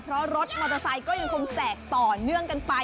เพราะรถมอเตอร์ไซค์ก็ยังคงแจกต่อเนื่องกันไป